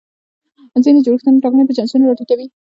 ځینې جوړښتونه ټاکنې په چانسونو را ټیټوي.